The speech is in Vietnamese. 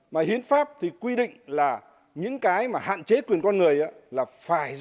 mà hiến pháp thì quy định là những cái mà hạn chế quyền con người là phải do luật quy định